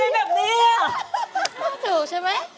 ตอบถูกใช่ไหม